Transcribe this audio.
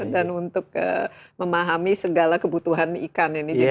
dan untuk memahami segala kebutuhan ikan ini